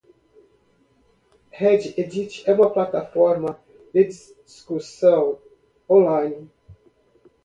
Reddit é uma plataforma de discussão online.